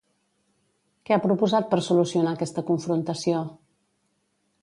Què ha proposat per solucionar aquesta confrontació?